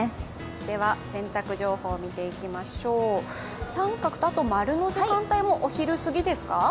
では、洗濯情報を見ていきましょう△と○の時間帯もお昼過ぎですか？